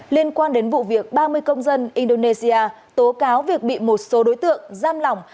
liên quan đến vụ việc ba mươi công dân indonesia tố cáo việc bị một số đối tượng giam lỏng